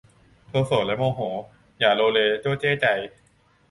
โทโสแลโมโห อย่าโลเลโจ้เจ้ใจ